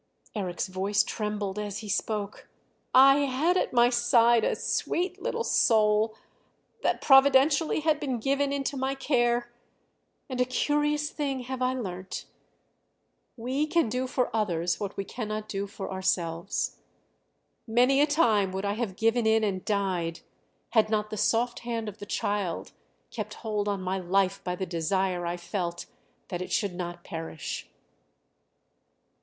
Eric's voice trembled as he spoke "I had at my side a sweet little soul that providentially had been given into my care; and a curious thing have I learnt: we can do for others what we cannot do for ourselves. Many a time would I have given in and died, had not the soft hand of the child kept hold on my life by the desire I felt that it should not perish!"